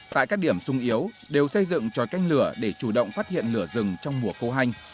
tại các điểm sung yếu đều xây dựng tròi canh lửa để chủ động phát hiện lửa rừng trong mùa khô hanh